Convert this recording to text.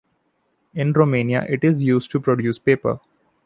In Romania it is used to produce paper.